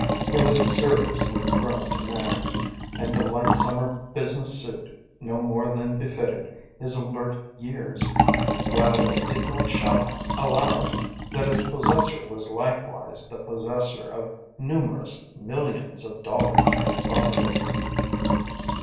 He was a seriously groomed man, and the light summer business suit no more than befitted his alert years, while it did not shout aloud that its possessor was likewise the possessor of numerous millions of dollars and property.